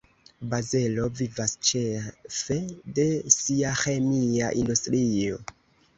Bazelo vivas ĉefe de sia ĥemia industrio.